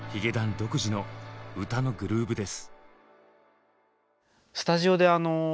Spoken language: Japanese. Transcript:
独自の歌のグルーブです。